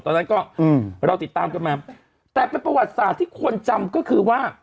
ตอนนั้นก็อืมเราติดตามกันมาแต่เป็นประวัติศาสตร์ที่คนจำก็คือว่า